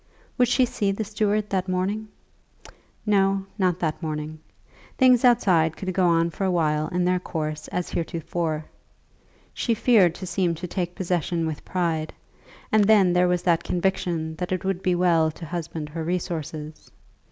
Would she see the steward that morning? No, not that morning. Things outside could go on for a while in their course as heretofore. She feared to seem to take possession with pride, and then there was that conviction that it would be well to husband her resources.